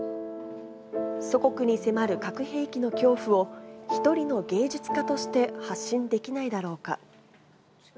祖国に迫る核兵器の恐怖を一人の芸術家として発信できないだろうか。